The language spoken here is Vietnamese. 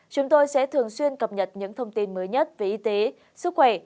chúng tôi sẽ thường xuyên cập nhật những thông tin mới nhất về y tế sức khỏe